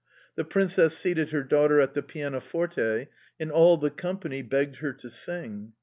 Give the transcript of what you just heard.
The Princess seated her daughter at the pianoforte, and all the company begged her to sing.